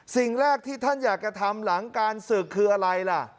สิ่งแรกที่ท่านอยากจะทำหลังการศึกคืออะไรล่ะ